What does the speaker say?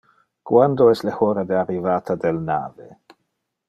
Quando es le hora de arrivata del nave?